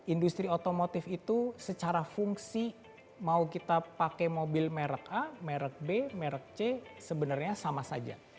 industri otomotif itu secara fungsi mau kita pakai mobil merek a merek b merek c sebenarnya sama saja